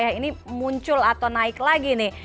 sehingga wilayah ini muncul atau naik lagi nih